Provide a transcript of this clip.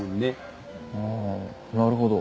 ああなるほど。